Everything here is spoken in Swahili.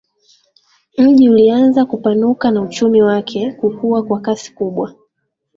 Mji ulianza kupanuka na uchumi wake kukua kwa kasi kubwa